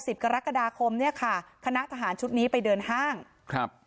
กรกฎาคมเนี้ยค่ะคณะทหารชุดนี้ไปเดินห้างครับ